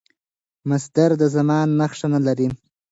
مصدر د زمان نخښه نه لري.